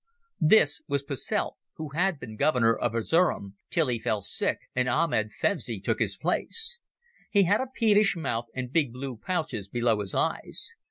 This was Posselt, who had been Governor of Erzerum till he fell sick and Ahmed Fevzi took his place. He had a peevish mouth and big blue pouches below his eyes.